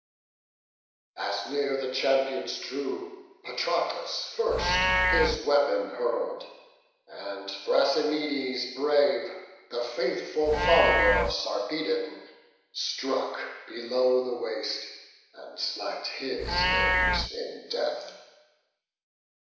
As near the champions drew, Patroclus first His weapon hurl'd, and Thrasymedes brave, The faithful follower of Sarpedon, struck Below the waist, and slack'd his limbs in death.